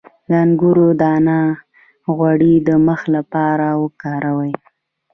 د انګور دانه غوړي د مخ لپاره وکاروئ